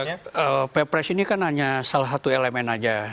ya pepres ini kan hanya salah satu elemen aja